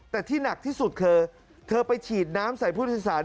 แต่ที่หนักที่สุดคือเธอไปฉีดน้ำใส่ผู้โดยสาร